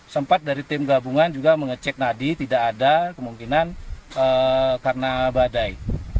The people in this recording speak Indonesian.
sempat dari tim gabungan juga mengecek nadi tidak ada kemungkinan karena badai